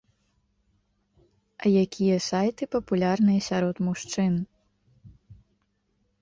А якія сайты папулярныя сярод мужчын?